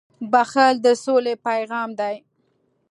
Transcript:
• بښل د سولې پیغام دی.